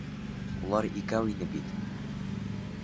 Улар икәү ине бит.